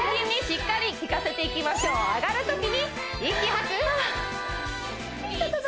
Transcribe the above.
しっかり効かせていきましょう上がるときに息吐くいた